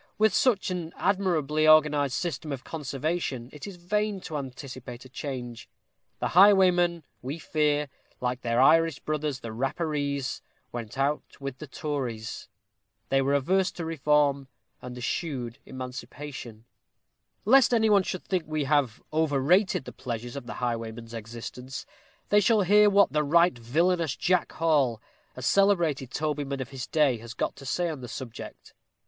With such an admirably organized system of conservation, it is vain to anticipate a change. The highwaymen, we fear, like their Irish brothers, the Rapparees, went out with the Tories. They were averse to reform, and eschewed emancipation. Lest any one should think we have overrated the pleasures of the highwayman's existence, they shall hear what "the right villainous" Jack Hall, a celebrated tobyman of his day, has got to say on the subject.